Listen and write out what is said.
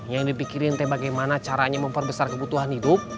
yang dipikirin bagaimana caranya memperbesar kebutuhan hidup